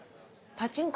パチンコ。